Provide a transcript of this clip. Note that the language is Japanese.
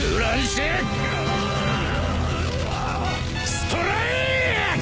ストライク！！